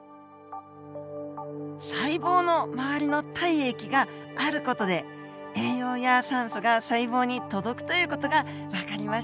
細胞の周りの体液がある事で栄養や酸素が細胞に届くという事がわかりました。